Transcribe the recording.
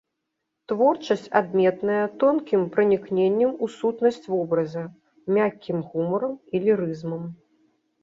Творчасць адметная тонкім пранікненнем у сутнасць вобраза, мяккім гумарам і лірызмам.